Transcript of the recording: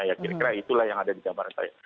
ya kira kira itulah yang ada di gambaran saya